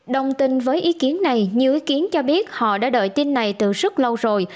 đồng tình với ý kiến này nhiều ý kiến cho biết họ đã đợi tin này từ rất lâu rồi